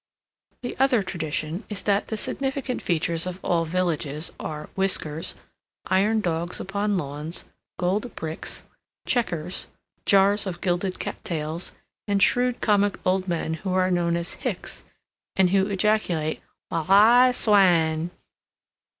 The other tradition is that the significant features of all villages are whiskers, iron dogs upon lawns, gold bricks, checkers, jars of gilded cat tails, and shrewd comic old men who are known as "hicks" and who ejaculate "Waal I swan."